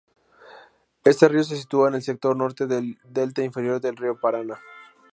Este río se sitúa en el sector norte del delta inferior del río Paraná.